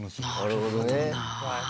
なるほどなぁ。